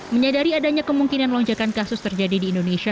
menyadari adanya kemungkinan lonjakan kasus terjadi di indonesia